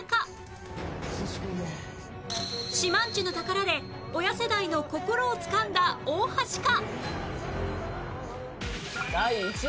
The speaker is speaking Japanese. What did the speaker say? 『島人ぬ宝』で親世代の心をつかんだ大橋か？